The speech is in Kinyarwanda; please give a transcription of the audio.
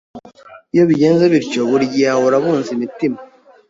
Iyo bigenze bityo buri gihe ahora abunza imitima